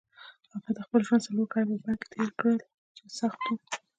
هغه د خپل ژوند څلور کاله په بند کې تېر کړل چې سخت وو.